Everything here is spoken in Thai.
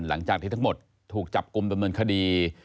หลังจากที่ทั้งหมดถูกจับกลุ่มดำเนินคดี